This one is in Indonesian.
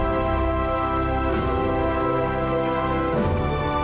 dengan apa dia stocko dan anak anak